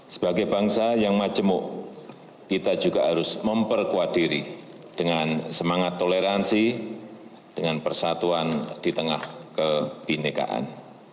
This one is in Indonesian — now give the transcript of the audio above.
sebagai bangsa yang majemuk kita juga harus memperkuat diri dengan semangat toleransi dengan persatuan di tengah kebinekaan